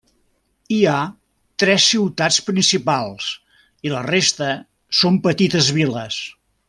Hi ha tres ciutats principals i la resta són petites viles.